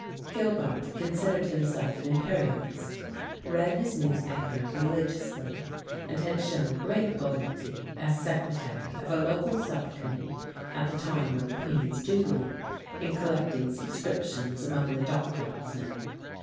Gilbart considered himself an Imperialist, read his newspaper religiously, and had shown great loyalty as secretary of a local sub committee at the time of the Queen's Jubilee, in collecting subscriptions among the dockyardsmen.